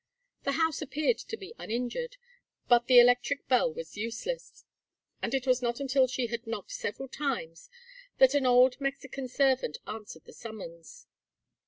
The house appeared to be uninjured, but the electric bell was useless, and it was not until she had knocked several times that an old Mexican servant answered the summons.